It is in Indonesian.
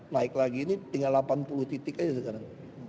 naik lagi ini tinggal delapan puluh titik aja sekarang